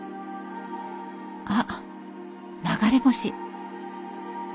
あっ流れ星。